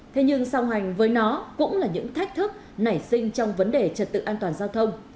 thế nhưng song hành với nó cũng là những thách thức nảy sinh trong vấn đề trật tự an toàn giao thông